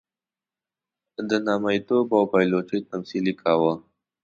د نامیتوب او پایلوچۍ تمثیل یې کاوه.